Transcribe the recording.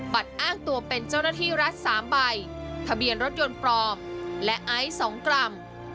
อ้างตัวเป็นเจ้าหน้าที่รัฐ๓ใบทะเบียนรถยนต์ปลอมและไอซ์๒กรัม